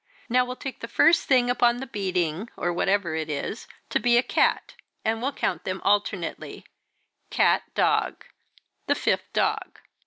"Now we'll take the first thing upon the beading, or whatever it is, to be a cat, and we'll count them alternately cat dog the fifth dog."